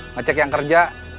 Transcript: ngecek yang kerja